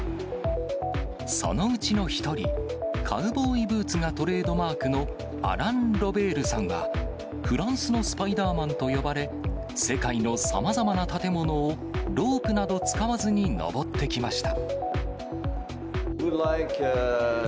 そのうちの１人、カウボーイブーツがトレードマークのアラン・ロベールさんは、フランスのスパイダーマンと呼ばれ、世界のさまざまな建物をロープなど使わずに登ってきました。